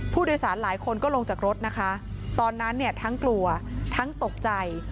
ผู้โดยสารหลายคนก็ลงจากรถนะคะตอนนั้นเนี่ยทั้งกลัวทั้งตกใจ